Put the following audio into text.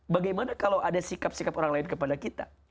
bagaimana kalau ada sikap sikap orang lain kepada kita